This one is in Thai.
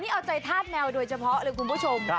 เอาใจธาตุแมวโดยเฉพาะเลยคุณผู้ชม